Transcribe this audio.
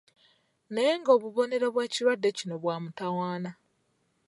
Naye nga obubonero bw’ekirwadde kino bwa mutawaana.